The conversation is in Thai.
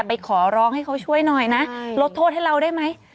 ไปขอร้องให้เขาช่วยหน่อยนะลดโทษให้เราได้ไหม